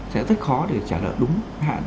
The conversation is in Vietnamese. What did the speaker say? sẽ rất khó để trả lợi đúng hạn